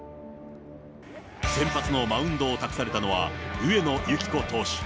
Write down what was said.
先発のマウンドを託されたのは、上野由岐子投手。